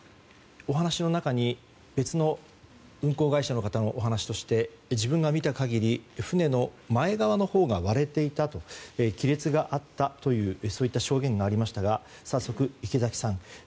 別の運航会社のお話として自分が見た限り船の前側のほうが割れていたと亀裂があったという証言がありましたが早速、池嵜さん